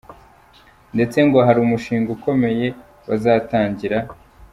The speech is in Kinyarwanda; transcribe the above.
Ndetse ngo hari umushinga ukomeye bazatangira.